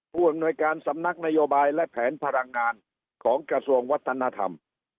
อำนวยการสำนักนโยบายและแผนพลังงานของกระทรวงวัฒนธรรม